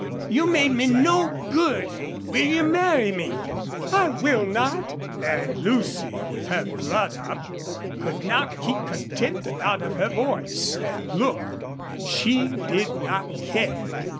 You made me no good .... Will you marry me?" "I will not!" And Lucy, with her blood up, could not keep contempt out of voice and look, and she did not care.